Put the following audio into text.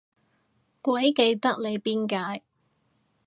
鬼記得你邊屆